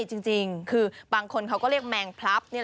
ใช่จริงบางคนเรียกเขาแมงพลัป